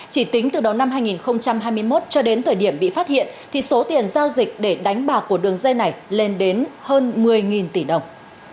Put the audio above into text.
chỉ tính từ đầu năm hai nghìn hai mươi một cho đến thời điểm bị phát hiện thì số tiền giao dịch để đánh bạc của đường dây này lên đến hơn một mươi tỷ đồng